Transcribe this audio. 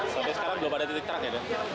sampai sekarang belum ada titik terang ya